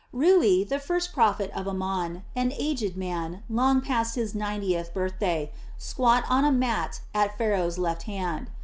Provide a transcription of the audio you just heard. Rui, the first prophet of Amon, an aged man long past his ninetieth birthday, squatted on a mat at Pharaoh's left hand.